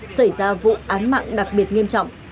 xảy ra vụ án mạng đặc biệt nghiêm trọng